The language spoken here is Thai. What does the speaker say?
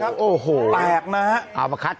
แปลกนะฮะ